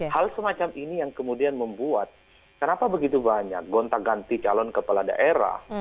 hal semacam ini yang kemudian membuat kenapa begitu banyak gonta ganti calon kepala daerah